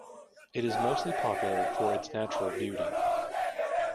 It is mostly popular for its natural beauty.